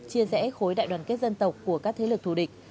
chia rẽ khối đại đoàn kết dân tộc của các thế lực thù địch